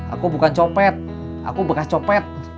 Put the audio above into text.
aku bukan copet aku bekas copet